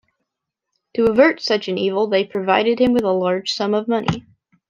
To avert such an evil they provided him with a large sum of money.